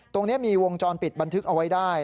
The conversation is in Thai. ตรงนี้มีวงจรปิดบันทึกเอาไว้ได้